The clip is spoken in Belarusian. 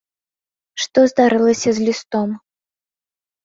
Што здарылася з лістом.